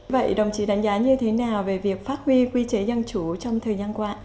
vậy đồng chí đánh giá như thế nào về việc phát huy quy chế dân chủ